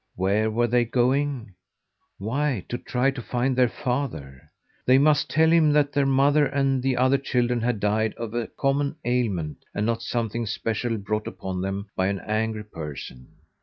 Where were they going? Why, to try to find their father. They must tell him that their mother and the other children had died of a common ailment and not something special brought upon them by an angry person.